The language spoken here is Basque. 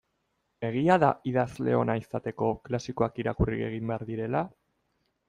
Egia da idazle ona izateko klasikoak irakurri egin behar direla?